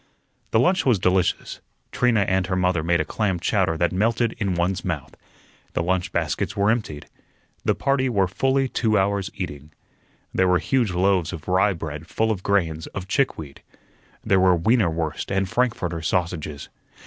The lunch was delicious. Trina and her mother made a clam chowder that melted in one's mouth. The lunch baskets were emptied. The party were fully two hours eating. There were huge loaves of rye bread full of grains of chickweed. There were weiner wurst and frankfurter sausages.